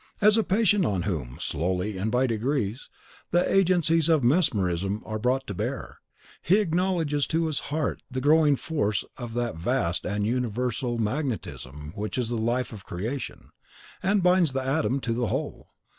As a patient on whom, slowly and by degrees, the agencies of mesmerism are brought to bear, he acknowledged to his heart the growing force of that vast and universal magnetism which is the life of creation, and binds the atom to the whole.